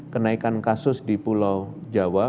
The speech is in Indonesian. kenaikan kasus di pulau jawa